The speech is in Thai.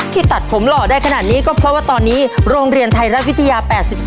ตัดผมหล่อได้ขนาดนี้ก็เพราะว่าตอนนี้โรงเรียนไทยรัฐวิทยา๘๒